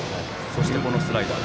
そしてスライダー。